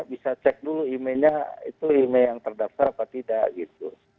bisa cek dulu emailnya itu email yang terdaftar apa tidak gitu